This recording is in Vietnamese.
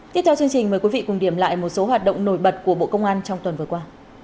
tiếp theo chương trình mời quý vị cùng điểm lại một số hoạt động nổi bật của bộ công an trong tuần vừa qua